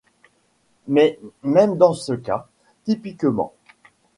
Mais même dans ce cas, typiquement.